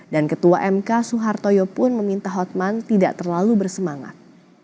dan ketua mk suhartoyo pun meminta hotman tidak terlalu bersemangat